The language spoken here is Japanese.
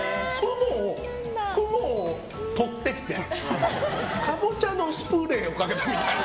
雲をとってきてかぼちゃのスプレーをかけたみたいな。